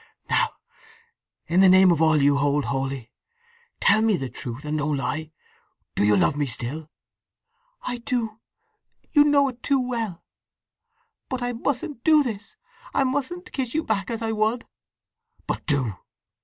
Now, in the name of all you hold holy, tell me the truth, and no lie. You do love me still?" "I do! You know it too well! … But I mustn't do this! I mustn't kiss you back as I would!" "But do!"